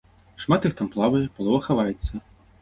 Шмат іх там плавае, палова хаваецца.